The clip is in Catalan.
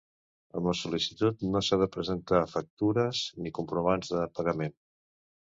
Amb la sol·licitud no s'ha de presentar factures ni comprovants de pagament.